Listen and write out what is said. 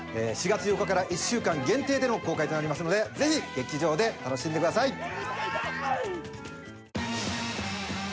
４月８日から１週間限定での公開となりますので是非劇場で楽しんでください。